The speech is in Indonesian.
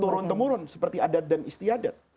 turun temurun seperti adat dan istiadat